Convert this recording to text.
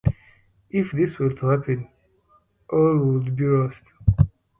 If this were to happen, all would be lost.